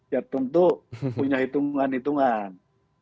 ya tentu punya hitungan hitungan